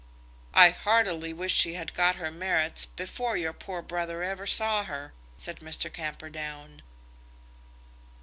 "I heartily wish she had got her merits before your poor brother ever saw her," said Mr. Camperdown.